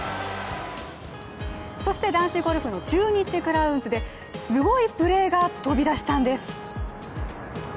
そして男子ゴルフの中日クラウンズですごいプレーが飛び出したんです。